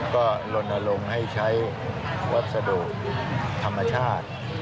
ก็ลนลงให้ใช้วัสดุธรรมชาติ